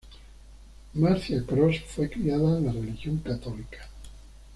Marcia Cross fue criada en la religión católica.